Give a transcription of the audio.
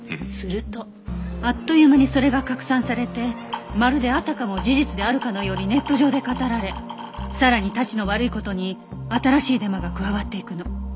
するとあっという間にそれが拡散されてまるであたかも事実であるかのようにネット上で語られさらにたちの悪い事に新しいデマが加わっていくの。